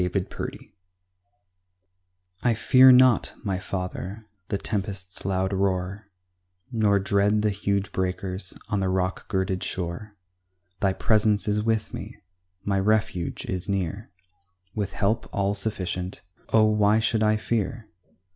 GOD'S CARE I fear not, my Father, the tempest's loud roar, Nor dread the huge breakers on the rock girded shore; Thy presence is with me, my refuge is near, With help all sufficient; oh, why should I fear?